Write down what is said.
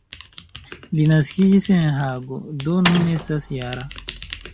Li naskiĝis en Hago, do nun estas -jara.